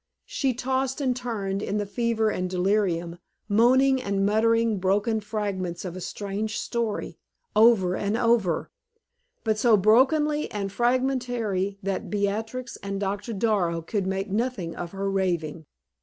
She tossed and turned in the fever and delirium, moaning and muttering broken fragments of a strange story, over and over, but so brokenly and fragmentary that Beatrix and Doctor Darrow could make nothing of her raving.